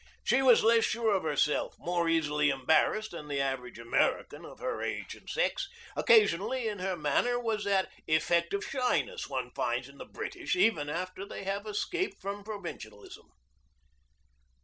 She was less sure of herself, more easily embarrassed, than the average American of her age and sex. Occasionally in her manner was that effect of shyness one finds in the British even after they have escaped from provincialism.